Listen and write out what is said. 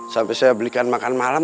sampai saya belikan makan malam